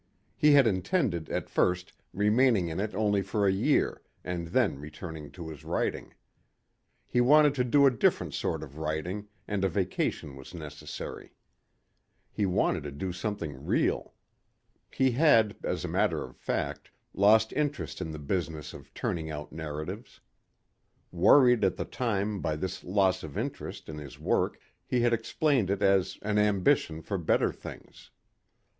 He had intended at first remaining in it only for a year and then returning to his writing. He wanted to do a different sort of writing and a vacation was necessary. He wanted to do something real. He had, as a matter of fact, lost interest in the business of turning out narratives. Worried at the time by this loss of interest in his work he had explained it as "an ambition for better things."